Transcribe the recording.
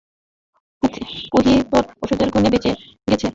পুহি তোর ওষুধের গুনে বেঁচে গেছে।